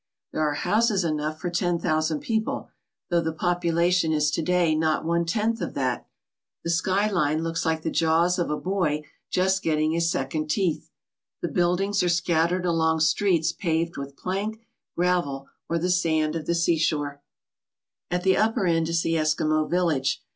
There are houses enough for ten thousand people, though the population is to day not one tenth of that. The sky line looks like the jaws of a boy just getting his second teeth. The buildings are scattered along streets paved with plank, gravel, or the sand of the seashore. 185 ALA SKA OUR NORTHERN WONDERLAND At the upper end is the Eskimo village.